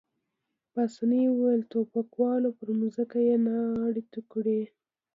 پاسیني وویل: ټوپکوال، پر مځکه يې ناړې تو کړې.